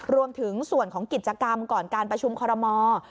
รวมถึงส่วนของกิจกรรมก่อนการประชุมคอรมอล์